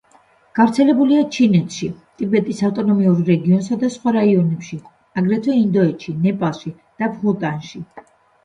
გავრცელებულია ჩინეთში ტიბეტის ავტონომიურ რეგიონსა და სხვა რაიონებში, აგრეთვე ინდოეთში, ნეპალში და ბჰუტანში.